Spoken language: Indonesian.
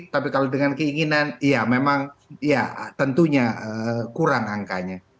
tapi kalau dengan keinginan ya memang ya tentunya kurang angkanya